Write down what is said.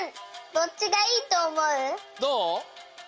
どう？